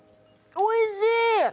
おいしい！